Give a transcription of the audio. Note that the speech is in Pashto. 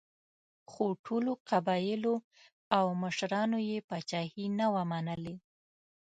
خو ټولو قبایلو او مشرانو یې پاچاهي نه وه منلې.